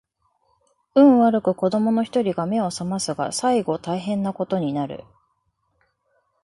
運悪く子供の一人が眼を醒ますが最後大変な事になる